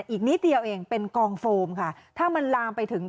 อีกนิดเดียวเองเป็นกองโฟมค่ะถ้ามันลามไปถึง